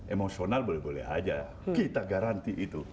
emosional boleh boleh aja kita garanti itu